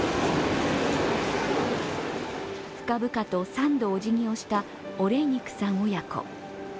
深々と３度、おじぎをしたオレイニクさん親子。